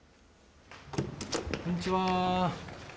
こんにちは。